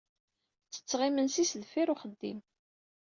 Ttetteɣ imensi sdeffir uxeddim.